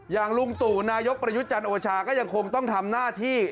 ลุงตู่นายกประยุทธ์จันทร์โอชาก็ยังคงต้องทำหน้าที่